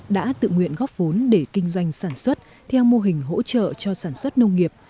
đã tự nguyện góp vốn để kinh doanh sản xuất theo mô hình hỗ trợ cho sản xuất nông nghiệp